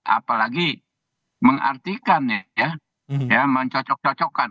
apalagi mengartikan ya mencocok cocokkan